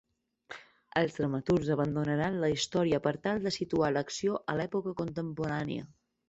Els dramaturgs abandonaran la història per tal de situar l'acció a l'època contemporània.